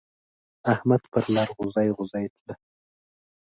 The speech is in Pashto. احمد پر لار غوزی غوزی تلی.